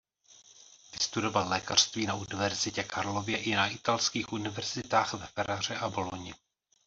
Vystudoval lékařství na Univerzitě Karlově i na italských univerzitách ve Ferraře a Bologni.